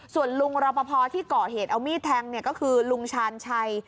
ส่วนลุงรอปภที่ก่อเหตุเอามีดแทงก็คือลุงชาญชัย